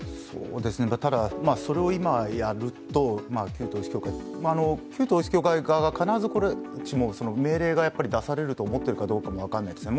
ただ、それを今やると、旧統一教会側が必ずしも、命令が出されると思っているかどうか分からないですね。